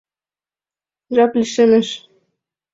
Жап лишемеш...